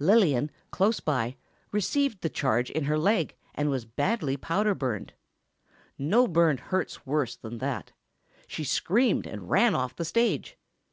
Lillian, close by, received the charge in her leg, and was badly powder burned. No burn hurts worse than that. She screamed and ran off the stage.